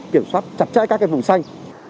kiểm soát chặt chẽ các cái vùng xanh